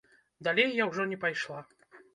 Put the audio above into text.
Далей я ўжо не пайшла.